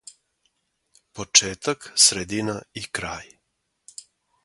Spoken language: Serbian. почетак средина и крај